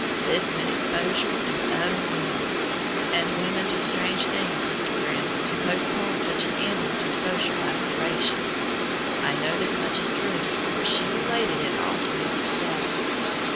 This meant exposure and utter ruin, and women do strange things, Mr. Grimm, to postpone such an ending to social aspirations. I know this much is true, for she related it all to me herself.